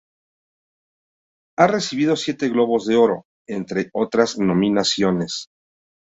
Ha recibido siete Globos de Oro, entre otras nominaciones.